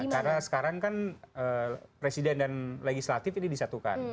karena sekarang kan presiden dan legislatif ini disatukan